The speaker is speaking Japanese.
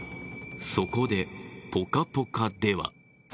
そこで、「ぽかぽか」では。